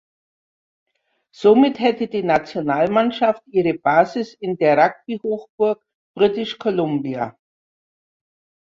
Somit hätte die Nationalmannschaft ihre Basis in der Rugby-Hochburg British Columbia.